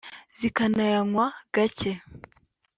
zikanayanywa gake